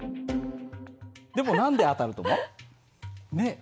でも何で当たると思う？ねえ。